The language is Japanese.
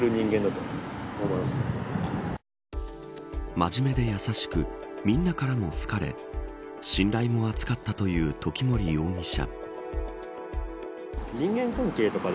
真面目で優しくみんなからも好かれ信頼も厚かったという時森容疑者。